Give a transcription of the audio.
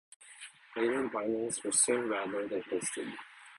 Later the bindings were sewn rather than pasted.